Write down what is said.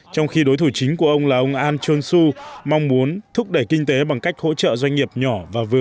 trong khi đối thủ chính của ông là ông ahn jong soo mong muốn thúc đẩy kinh tế bằng cách hỗ trợ doanh nghiệp nhỏ và vừa